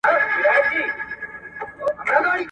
نوي سرمایوي اجناس ژر تر ژره راوړئ.